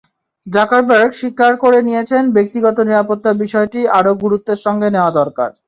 Zuckerberg স্বীকার করে নিয়েছেন, ব্যক্তিগত নিরাপত্তার বিষয়টি আরও গুরুত্বের সঙ্গে নেওয়া দরকার।